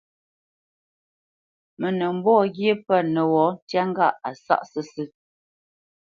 Mə nə́ mbɔ́ ghyé pə̂ nəwɔ̌ ntyá ŋgâʼ a sáʼ sə́sə̄.